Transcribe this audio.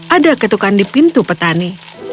ada ketukan di pintu petani